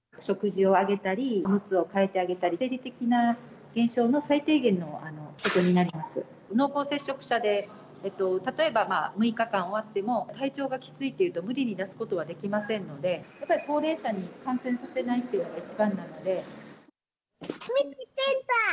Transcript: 食事をあげたり、おむつを替えてあげたり、生理的な現象の最低限のことになります。濃厚接触者で、例えば６日間終わっても、体調がきついというと、無理に出すことはできませんので、やっぱり高齢者に感染させないというのが一番なので。